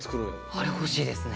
あれ欲しいですね。